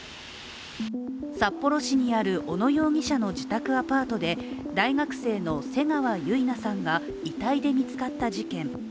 札幌市にある小野容疑者の自宅アパートで大学生の瀬川結菜さんが遺体で見つかった事件。